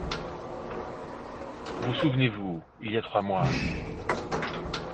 Vous souvenez-vous, il y a trois mois…